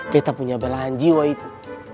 beta punya belaan jiwa itu